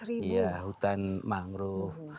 iya hutan mangrove